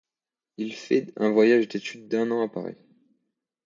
Il fait un voyage d'études d'un an à Paris.